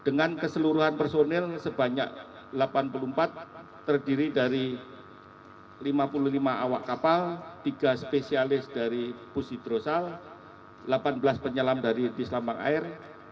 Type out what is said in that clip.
dengan keseluruhan personil sebanyak delapan puluh empat terdiri dari lima puluh lima awak kapal tiga spesialis dari pus hidrosal delapan belas penyelam dari dislamang air